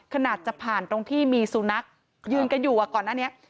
ขนาดจะผ่านตรงที่มีสุนัขยืนกันอยู่ก่อนหน้านี้